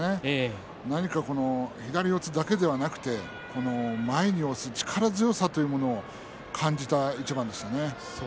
何か左四つだけではなく前に押す力強さというものを感じた一番でしたね。